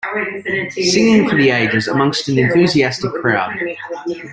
Singing for the ages amongst an enthusiastic crowd.